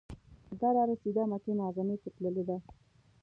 دا لاره سیده مکې معظمې ته تللې ده.